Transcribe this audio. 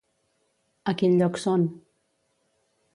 A quin lloc són?